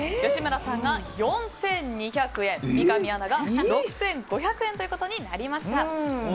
吉村さんが４２００円三上アナが６５００円ということになりました。